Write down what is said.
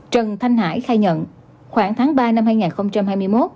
trần thanh hải khai nhận khoảng tháng ba năm hai nghìn hai mươi một